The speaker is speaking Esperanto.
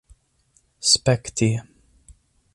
spekti